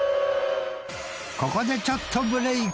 ここでちょっとブレイク